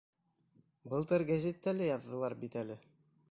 Былтыр гәзиттә лә яҙҙылар бит әле.